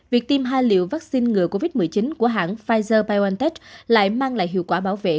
việc tiêm hai liều vaccine ngừa covid một mươi chín của hãng pfizer biontech lại mang lại hiệu quả bảo vệ